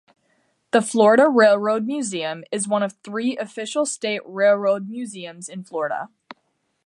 The Florida Railroad Museum is one of three Official State Railroad Museums in Florida.